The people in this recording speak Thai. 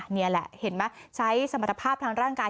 นี่แหละเห็นไหมใช้สมรรถภาพทางร่างกาย